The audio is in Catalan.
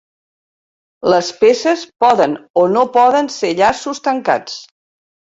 Les peces poden o no poden ser llaços tancats.